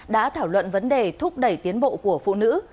đã thảo luận vấn đề thúc đẩy tiến bộ của phụ nữ